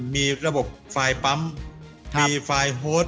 มีระบบไฟล์ปั๊มมีไฟล์โฮส